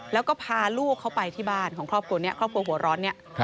แล้วก็พาลูกเขาไปที่บ้านของครอบครัวนี้ครอบครัวหัวร้อนเนี่ย